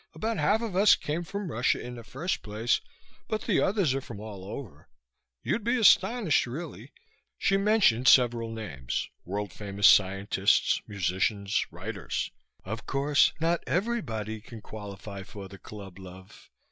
About half of us came from Russia in the first place, but the others are from all over. You'd be astonished, really." She mentioned several names, world famous scientists, musicians, writers. "Of course, not everybody can qualify for the club, love.